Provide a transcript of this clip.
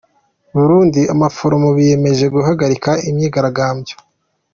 Burundi Abaforomo biyemeje guhagarika imyigaragambyo